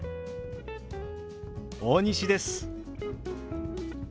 大西です。